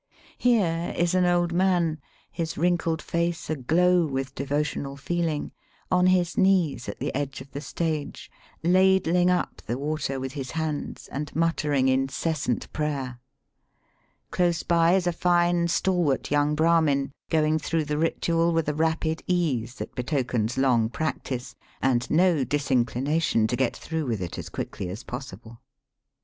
Here is an old man, his wrinkled face aglow with devotional feeling, on his knees at the edge of the stage, ladling up the water with his hands and muttering incessant prayer. Close by is a fine, stalwart young Brahmin going through the ritual with a rapid ease that Digitized by VjOOQIC BATHINa m THE GANGES. 225 betokens long practice and no disinclination to get through with it as quickly as possible.